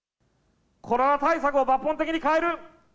コロナ対策を抜本的に変える。